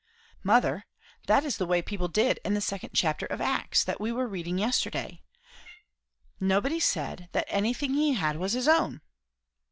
"Mother, that is the way people did in the second chapter of Acts, that we were reading yesterday. Nobody said that anything he had was his own."